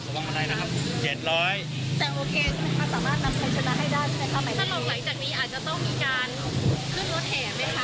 ถ้าเราไหลจากนี้อาจจะต้องมีการลึกรถแห่ไหมคะ